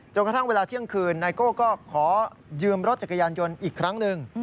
กระทั่งเวลาเที่ยงคืนไนโก้ก็ขอยืมรถจักรยานยนต์อีกครั้งหนึ่ง